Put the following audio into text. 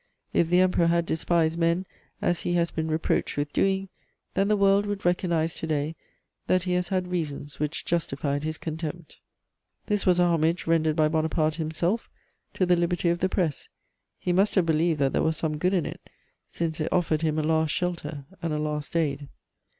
If the Emperor had despised men, as he has been reproached with doing, then the world would recognise to day that he has had reasons which justified his contempt." This was a homage rendered by Bonaparte himself to the liberty of the press: he must have believed that there was some good in it, since it offered him a last shelter and a last aid.